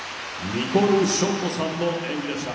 ニコル・ショットさんの演技でした。